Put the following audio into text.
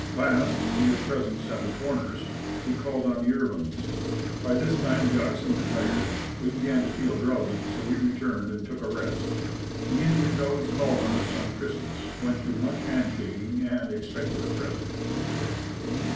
Last, near present Seven Corners, we called on the Irvine's. By this time the OXEN were tired. We began to feel drowsy, so we returned and took a rest. The Indians always called on us on Christmas, went through much handshaking and expected a present.